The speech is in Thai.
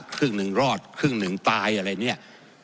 ครึ่งหนึ่งรอดครึ่งหนึ่งตายอะไรเนี่ย